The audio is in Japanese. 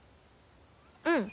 うん。